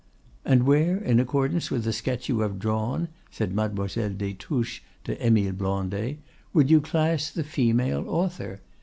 "And where, in accordance with the sketch you have drawn," said Mademoiselle des Touches to Émile Blondet, "would you class the female author?